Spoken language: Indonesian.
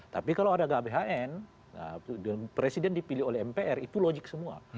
tapi kalau ada gbhn presiden dipilih oleh mpr itu logik semua